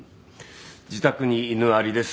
自宅に犬ありです。